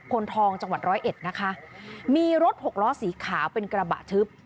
คนทองจังหวัดร้อยเอ็ดนะคะมีรถหกล้อสีขาวเป็นกระบะทึบ